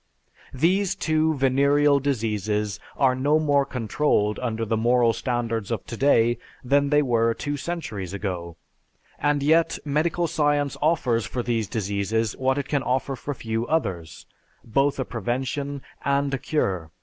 These two venereal diseases are no more controlled under the moral standards of today than they were two centuries ago, and yet medical science offers for these diseases what it can offer for few others; both a prevention and a cure.